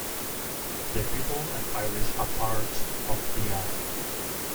The pupil and iris are parts of the eye.